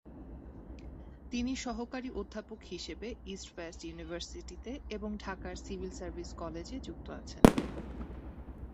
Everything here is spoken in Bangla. তিনি সহকারী অধ্যাপক হিসেবে ইস্ট ওয়েস্ট ইউনিভার্সিটিতে এবং ঢাকার সিভিল সার্ভিস কলেজে যুক্ত আছেন।